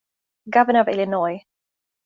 Governor of Illinois.